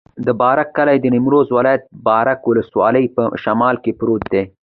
د بارک کلی د نیمروز ولایت، بارک ولسوالي په شمال کې پروت دی.